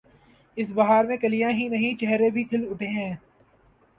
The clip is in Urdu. اس بہار میں کلیاں ہی نہیں، چہرے بھی کھل اٹھے ہیں۔